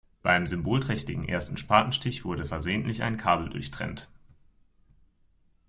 Beim symbolträchtigen ersten Spatenstich wurde versehentlich ein Kabel durchtrennt.